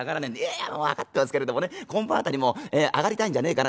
『いやもう分かってますけれどもね今晩辺り上がりたいんじゃねえかな』。